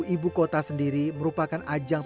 ibu kota sendiri merupakan ajang